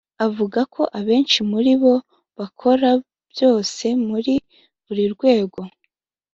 Avuga ko abenshi muri bo bakora byose muri buri rwego